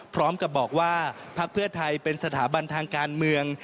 พร้อมกับบอกว่าพักเพื่อไทยเป็นสถาบันทางการเมือง